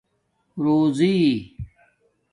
روزݵ